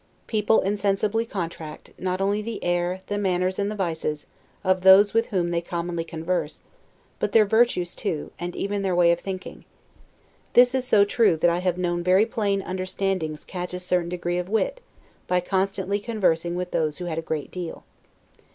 People insensibly contract, not only the air, the manners, and the vices, of those with whom they commonly converse, but their virtues too, and even their way of thinking. This is so true, that I have known very plain understandings catch a certain degree of wit, by constantly conversing with those who had a great deal.